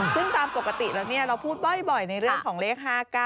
ซึ่งตามปกติแล้วเราพูดบ่อยในเรื่องของเลข๕๙